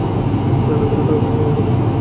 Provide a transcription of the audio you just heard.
চুরি না করলে টাকা তুমি পাবে কোথায়?